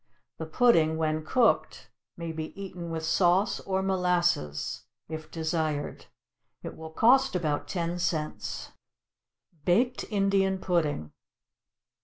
The pudding when cooked may be eaten with sauce or molasses, if desired; it will cost about ten cents. =Baked Indian Pudding.